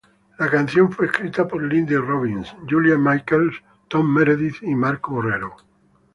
La canción fue escrita por Lindy Robbins, Julia Michaels, Tom Meredith, y Marco Borrero.